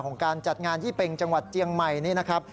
การจัดงานยี่เป็งจังหวัดเจียงใหม่นี่นะครับ